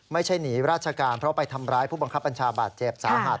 ไม่ใช่หนีราชการเพราะไปทำร้ายผู้บังคับบัญชาบาดเจ็บสาหัส